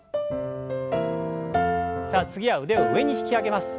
さあ次は腕を上に引き上げます。